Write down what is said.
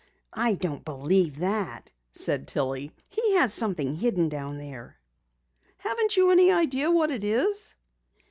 "I don't believe that," said Tillie. "He has something hidden down there." "Haven't you any idea what it is?"